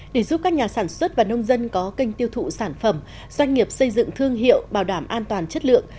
để giúp các nhà sản xuất và nông dân có kênh tiêu thụ sản phẩm doanh nghiệp xây dựng thương hiệu bảo đảm an toàn chất lượng